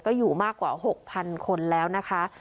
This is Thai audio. ก็อยู่มากกว่า๖๐๐๐คนแล้วนะคะ